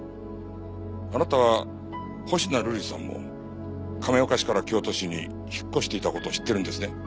あなた星名瑠璃さんも亀岡市から京都市に引っ越していた事を知っているんですね？